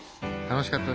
楽しかった。